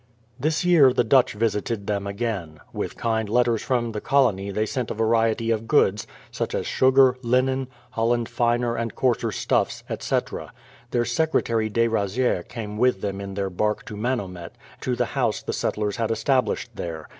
This year the Dutch visited them again. With kind letters from the colony they sent a variety of goods, such < as sugar, linen, Holland finer and coarser stufifs, etc.] Their secretary de Rasieres. came with them in their bark to Manomet, to the house the settlers had established there.